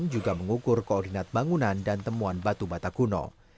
juga mengukur koordinat bangunan dan temuan batu bata kuno